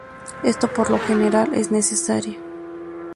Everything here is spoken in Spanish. Esto por lo general es necesario.